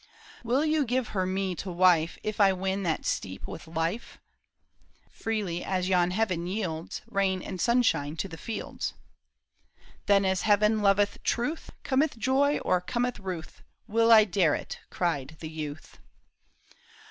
*^ Will you give her me to wife If I win that steep with life ?"" Freely as yon heaven yields Rain and sunshine to the fields." *' Then as Heaven loveth truth, Cometh joy or cometh ruth. Will I dare it !" cried the youth.